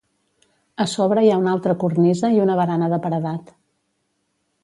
A sobre hi ha una altra cornisa i una barana de paredat.